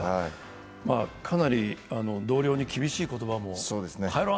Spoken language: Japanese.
かなり同僚に厳しい言葉も、代えろ